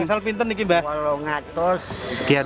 delapan ratus juta rupiah